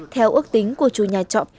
theo ước tính của chủ nhà trọ